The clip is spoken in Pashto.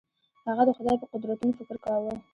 هغه د خدای په قدرتونو فکر کاوه.